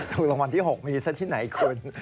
รางวัลที่๖มีซะที่ไหนคุณ